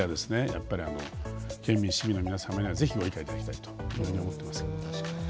やっぱりあの県民市民の皆様には是非ご理解いただきたいというふうに思ってます。